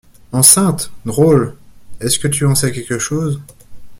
Enceinte! drôle ! est-ce que tu en sais quelque chose?